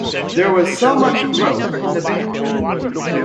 There was so much growth in the band.